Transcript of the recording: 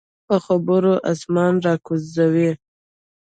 په خبرو اسمان راکوزوي.